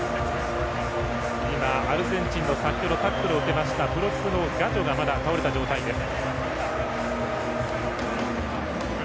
今、アルゼンチンの先ほどタックルを受けましたプロップのガジョがまだ倒れた状態です。